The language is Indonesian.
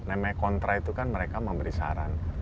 namanya kontra itu kan mereka memberi saran